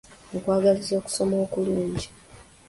Nkwagaliza okusoma okulungi.